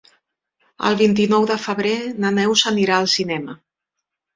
El vint-i-nou de febrer na Neus anirà al cinema.